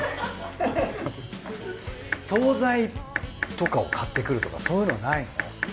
総菜とかを買ってくるとかそういうのはないの？